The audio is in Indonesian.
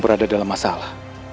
berada dalam masalah